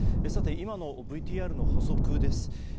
今のＶＴＲの補足です。